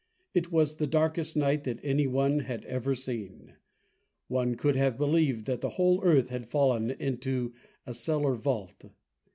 It was the darkest night that any one had ever seen. One could have believed that the whole earth had fallen into a cellar vault.